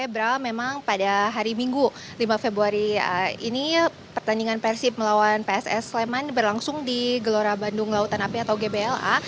bra memang pada hari minggu lima februari ini pertandingan persib melawan pss sleman berlangsung di gelora bandung lautan api atau gbla